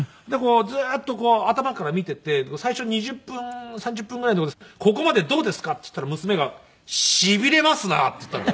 ずっとこう頭から見ていて最初２０分３０分ぐらいのところで「ここまでどうですか？」って言ったら娘が「しびれますな」って言ったんで。